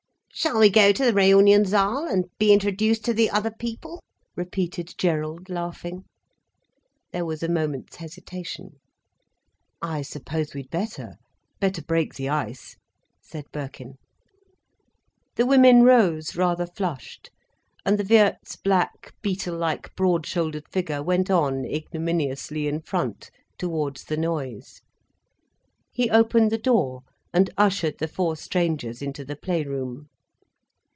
"Shall we go to the Reunionsaal, and be introduced to the other people?" repeated Gerald, laughing. There was a moment's hesitation. "I suppose we'd better—better break the ice," said Birkin. The women rose, rather flushed. And the Wirt's black, beetle like, broad shouldered figure went on ignominiously in front, towards the noise. He opened the door and ushered the four strangers into the play room.